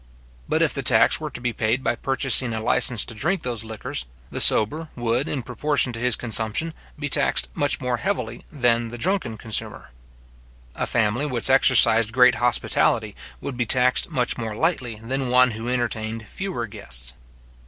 But if the tax were to be paid by purchasing a licence to drink those liquors, the sober would, in proportion to his consumption, be taxed much more heavily than the drunken consumer. A family which exercised great hospitality, would be taxed much more lightly than one who entertained fewer guests.